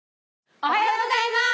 おはようございます！